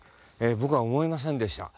僕は思いませんでした。